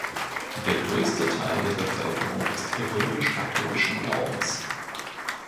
Der größte Teil der Bevölkerung ist römisch-katholischen Glaubens.